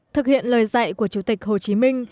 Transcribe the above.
thực hiện lời dạy của chủ tịch hồ chí minh